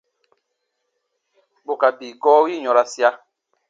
Bù ka bii gɔɔ wi yɔ̃rasia.